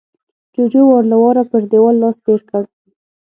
جُوجُو وار له واره پر دېوال لاس تېر کړ